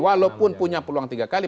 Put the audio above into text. walaupun punya peluang tiga kali